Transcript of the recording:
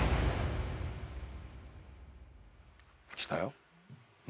来たよ。